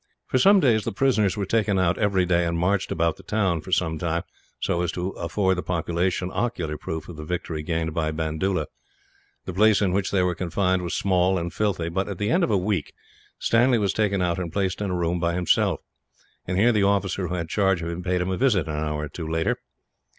For some days the prisoners were taken out, every day, and marched about the town for some time, so as to afford the population ocular proof of the victory gained by Bandoola. The place in which they were confined was small and filthy but, at the end of a week, Stanley was taken out and placed in a room by himself; and here the officer who had had charge of him paid him a visit, an hour or two later.